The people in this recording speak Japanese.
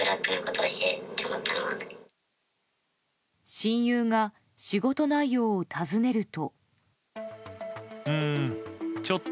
親友が仕事内容を尋ねると。